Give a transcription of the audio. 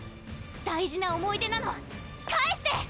大事な思い出なの返して！